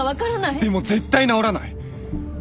でも絶対直らない